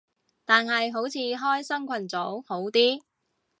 但係好似開新群組好啲